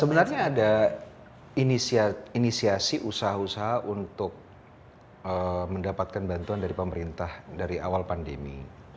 sebenarnya ada inisiasi usaha usaha untuk mendapatkan bantuan dari pemerintah dari awal pandemi